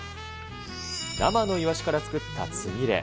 生のイワシから作ったつみれ。